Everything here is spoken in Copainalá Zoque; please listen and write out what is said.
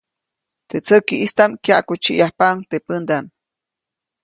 Teʼ tsäkiʼstaʼm kyaʼkutsiʼyajpaʼuŋ teʼ pändaʼm.